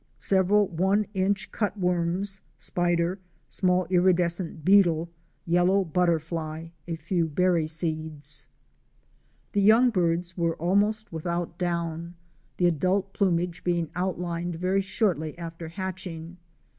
Several one inch cut worms; spider; small iridescent beetle; yellow butterfly; a few berry seeds. A GOLD MINE IN THE WILDERNESS. 207 The young birds were almost without down, the adult plumage being outlined very shortly after hatching.